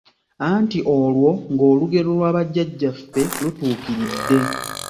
Anti olwo ng’olugero lwa Bajjajjaffe nga lutuukiridde